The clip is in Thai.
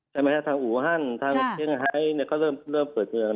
ใช่ไหมคะทางอู่ฮั่นทางเชียงไฮก็เริ่มเปิดเมือง